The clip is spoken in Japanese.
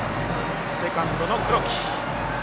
セカンドの黒木。